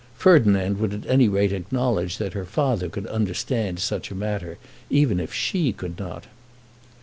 Ferdinand would at any rate acknowledge that her father could understand such a matter even if she could not.